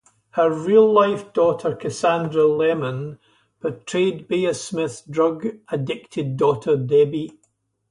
Her real life daughter, Cassandra Lehman portrayed Bea Smith's drug-addicted daughter, Debbie.